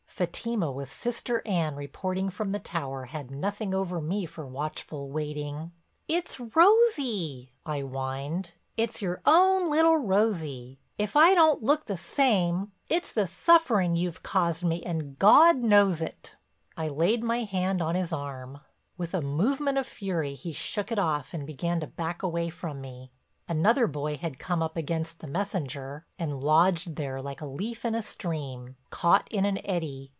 Fatima with Sister Anne reporting from the tower, had nothing over me for watchful waiting. "It's Rosie," I whined, "it's your own little Rosie. If I don't look the same it's the suffering you've caused me and Gawd knows it." I laid my hand on his arm. With a movement of fury he shook it off and began to back away from me. Another boy had come up against the messenger and lodged there like a leaf in a stream, caught in an eddy.